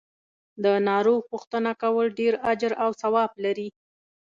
د ناروغ پو ښتنه کول ډیر اجر او ثواب لری .